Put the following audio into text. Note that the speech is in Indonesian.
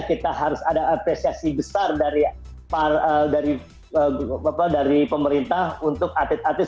kita harus ada apresiasi besar dari pemerintah untuk atlet atlet